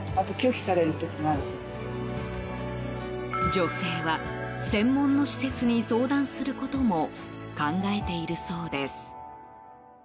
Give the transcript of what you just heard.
女性は専門の施設に相談することも考えているそうです。